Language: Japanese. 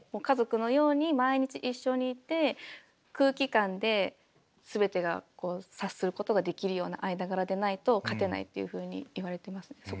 家族のように毎日一緒にいて空気感で全てが察することができるような間柄でないと勝てないっていうふうに言われてますね。